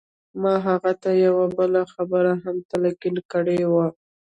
ما هغه ته يوه بله خبره هم تلقين کړې وه.